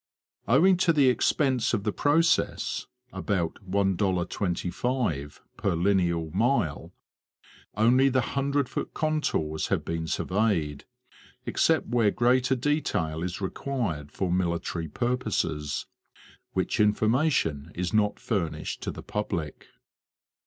Owing to the expense of the process, about $1.25 per lineal mile, only the 100 foot contours have been surveyed, except where greater detail is required for military purposes; which information is not furnished to the public.